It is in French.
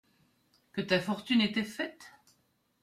Que ta fortune était faite ?